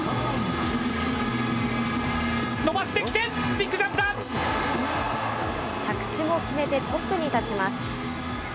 伸ばしてきて、着地も決めてトップに立ちます。